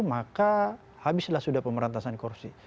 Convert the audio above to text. maka habislah sudah pemberantasan korupsi